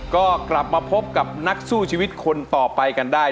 ก็กลับมาพบกับนักสู้ชีวิตคนต่อไปกันได้